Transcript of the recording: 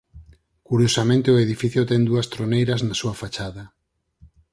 Curiosamente o edificio ten dúas troneiras nas súa fachada.